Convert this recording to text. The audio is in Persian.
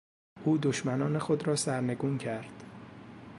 او دشمنان خود را سرنگون کرد.